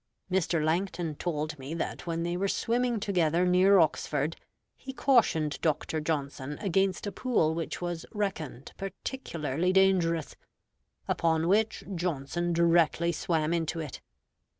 Mr. Langton told me that when they were swimming together near Oxford, he cautioned Dr. Johnson against a pool which was reckoned particularly dangerous; upon which Johnson directly swam into it.